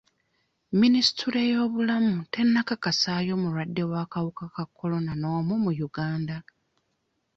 Minisitule y'ebyobulamu tennakakasayo mulwadde w'akawuka ka kolona n'omu mu Uganda.